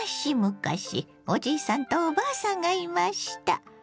昔々おじいさんとおばあさんがいました。